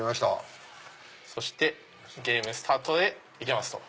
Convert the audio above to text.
そしてゲームスタート！で行けます。